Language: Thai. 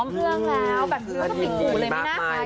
พบเรื่องแล้วแบบเนื้อสกิดกูเลยไม่น่าค่ะ